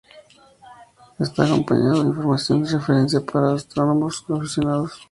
Está acompañado de información de referencia para astrónomos aficionados.